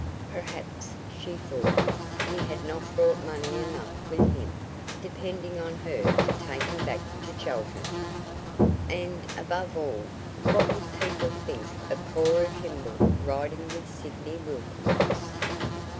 Perhaps, she thought, he had not brought money enough with him, depending on her to take him back to Chelton. And, above all, what would people think of Cora Kimball riding with Sidney Wilcox?